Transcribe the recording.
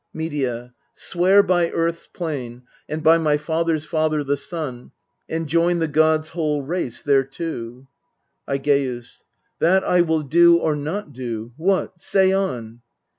Medea. Swear by Earth's plain, and by my father's father The Sun, and join the gods' whole race thereto. Aigeus. That I will do or not do what? Say on.